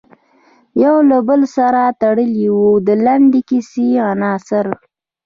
یو له بل سره تړلې وي د لنډې کیسې عناصر.